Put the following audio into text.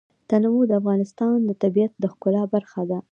تنوع د افغانستان د طبیعت د ښکلا برخه ده.